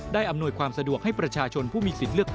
อำนวยความสะดวกให้ประชาชนผู้มีสิทธิ์เลือกตั้ง